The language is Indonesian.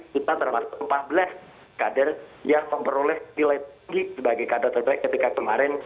kita termasuk empat belas kader yang memperoleh nilai tinggi sebagai kader terbaik ketika kemarin